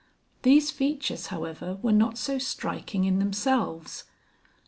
These features, however, were not so striking in themselves.